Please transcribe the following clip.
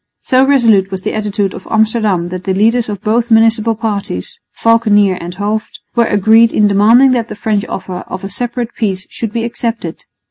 So resolute was the attitude of Amsterdam that the leaders of both municipal parties, Valckenier and Hooft, were agreed in demanding that the French offers of a separate peace should be accepted.